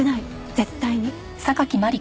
絶対に。